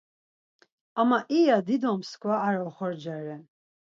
Ama iya dido mskva ar oxorca ren.